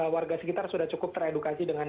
warga sekitar sudah cukup teredukasi dengan